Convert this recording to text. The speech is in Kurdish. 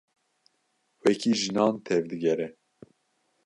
Wekî jinan tev digere.